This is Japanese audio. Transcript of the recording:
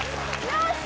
よし！